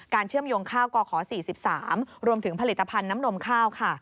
เชื่อมโยงข้าวกข๔๓รวมถึงผลิตภัณฑ์น้ำนมข้าวค่ะ